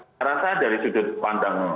saya rasa dari sudut pandang